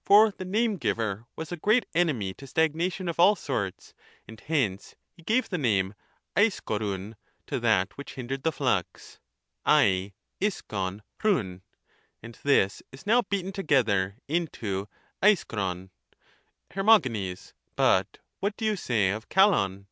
For the name giver was a great enemy to stagnation of all sorts, and hence he gave the name dsiaxopovv to that which hindered the flux [del la\ov pom'), and this is now beaten together into aiaxpov. Her. But what do you say of naXov?